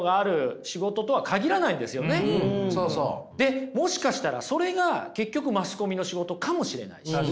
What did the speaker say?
でもしかしたらそれが結局マスコミの仕事かもしれないし。